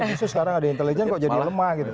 justru sekarang ada intelijen kok jadi lemah gitu